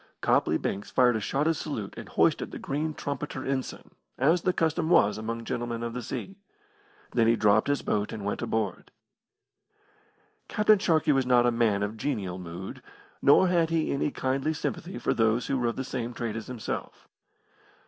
Copley Banks fired a shotted salute and hoisted the green trumpeter ensign, as the custom was among gentlemen of the sea. Then he dropped his boat and went aboard. Captain Sharkey was not a man of a genial mood, nor had he any kindly sympathy for those who were of the same trade as himself.